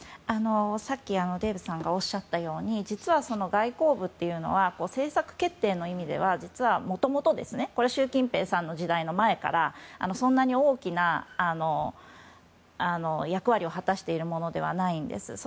さっきデーブさんがおっしゃったように実は外交部というのは政策決定の意味では、もともとこれは習近平さんの時代の前からそんなに大きな役割を果たしているものではないです。